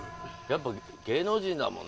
やっぱ。